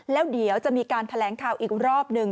แล้วเดี๋ยวจะมีการแถลงข่าวอีกรอบหนึ่ง